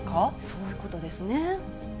そういうことですね。